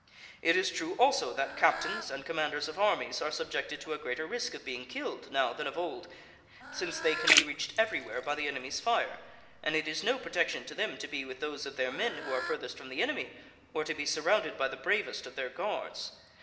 It is true, also, that Captains and commanders of armies are subjected to a greater risk of being killed now than of old, since they an be reached everywhere by the enemy's fire; and it is no protection to them to be with those of their men who are furthest from the enemy, or to be surrounded by the bravest of their guards.